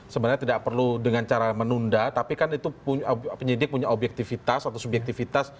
sebenarnya tidak perlu dengan cara menunda tapi kan itu penyidik punya objektivitas atau subjektivitas